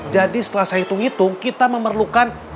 jadi setelah saya hitung hitung kita memerlukan